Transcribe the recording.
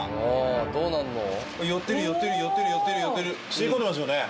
吸い込んでますよね。